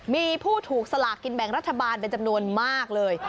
มีผู้ถูกสลากกินแบ่งรัฐบาลเป็นจำนวนมากเลย